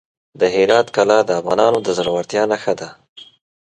د هرات کلا د افغانانو د زړورتیا نښه ده.